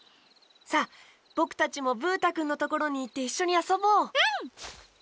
さあぼくたちもブー太くんのところにいっていっしょにあそぼう！